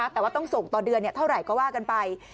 แต่ว่าต้องส่งต่อเดือนเท่าไหร่ก็ว่ากันไป